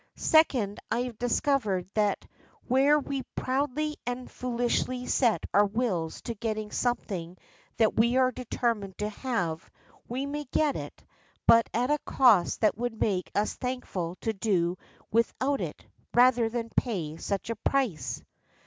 Second, I have discovered that where Ave proudly and foolishly set our wills to getting something that we are determined to have, we may get it, but at a cost that Avould make us thankful to do with out it, rather than pay such a price.